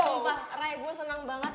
sumpah re gue seneng banget